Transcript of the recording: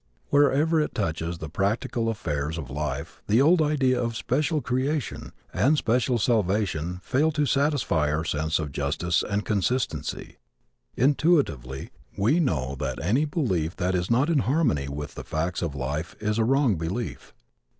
Wherever it touches the practical affairs of life the old idea of special creation and special salvation fail to satisfy our sense of justice and of consistency. Intuitively we know that any belief that is not in harmony with the facts of life is a wrong belief.